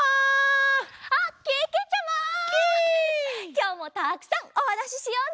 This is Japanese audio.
きょうもたくさんおはなししようね！